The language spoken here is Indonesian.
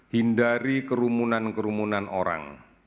hindari kerumunan kerumunan orang